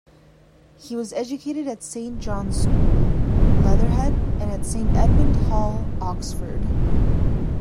He was educated at Saint John's School, Leatherhead, and at Saint Edmund Hall, Oxford.